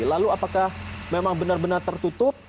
lalu apakah memang benar benar tertutup